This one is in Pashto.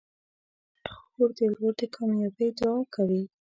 خور د ورور د کامیابۍ دعا کوي.